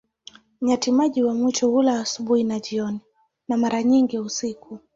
Nyati-maji wa mwitu hula asubuhi na jioni, na mara nyingine usiku.